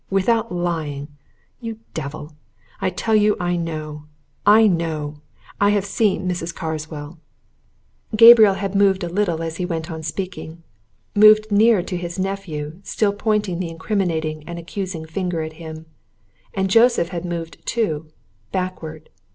without lying. You devil! I tell you I know know! I have seen Mrs. Carswell!" Gabriel had moved a little as he went on speaking moved nearer to his nephew, still pointing the incriminating and accusing finger at him. And Joseph had moved, too backward.